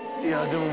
でも。